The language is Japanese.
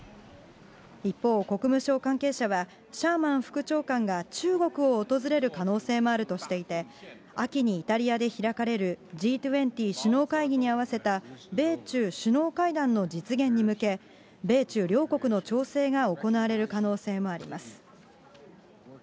一方、国務省関係者は、シャーマン副長官が中国を訪れる可能性もあるとしていて、秋にイタリアで開かれるＧ２０首脳会議にあわせた米中首脳会談の実現に向け、米中両国の調整が行われる可能性もあります。